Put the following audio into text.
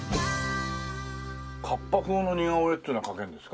河童風の似顔絵っていうのは描けるんですか？